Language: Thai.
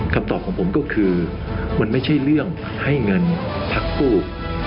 คำตอบของผมก็คือมันไม่ใช่เรื่องให้เงินพักกู้